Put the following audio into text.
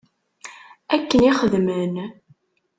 Akken i xedmen.